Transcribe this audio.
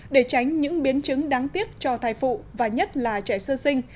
để tránh những biến chứng đáng tiếc cho thai phụ và nhất là trẻ sơ sinh